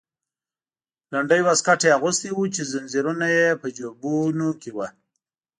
لنډی واسکټ یې اغوستی و چې زنځیرونه یې په جیبونو کې وو.